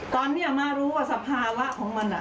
ตอนนี้มารู้ว่าสภาวะของมัน